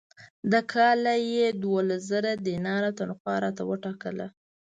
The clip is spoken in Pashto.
د کاله یې دوولس زره دیناره تنخوا راته وټاکله.